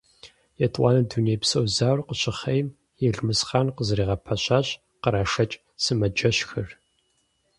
ЕтӀуанэ Дунейпсо зауэр къыщыхъейм, Елмэсхъан къызэригъэпэщащ кърашэкӀ сымаджэщхэр.